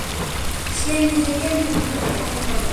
সে নিজেকে নবী বলে দাবী করে।